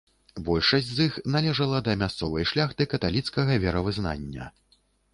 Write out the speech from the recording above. Большасць з іх належала да мясцовай шляхты каталіцкага веравызнання.